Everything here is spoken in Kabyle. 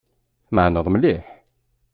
Tmeεneḍ mliḥ.